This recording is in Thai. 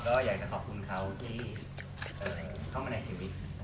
ก็อยากจะขอบคุณเขาที่เข้ามาในชีวิต